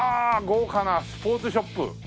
豪華なスポーツショップ。